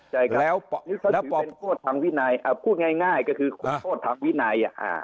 ใช่ครับพูดง่ายก็คือโทษทางวินัย